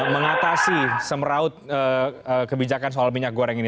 mengatasi semeraut kebijakan soal minyak goreng ini